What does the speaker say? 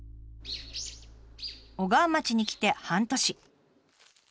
小川町に来て半年。